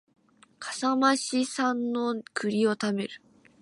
笠間市産の栗を食べる